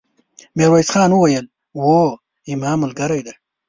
ميرويس خان وويل: هو، زما ملګری دی!